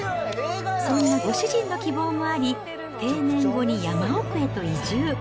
そんなご主人の希望もあり、定年後に山奥へと移住。